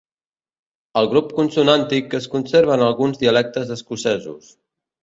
El grup consonàntic es conserva en alguns dialectes escocesos.